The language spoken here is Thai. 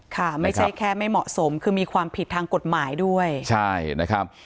ค่ะไม่ใช่แค่ไม่เหมาะสมคือมีความผิดทางกฎหมายด้วยใช่นะครับ